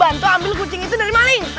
bantu ambil kucing itu dari maling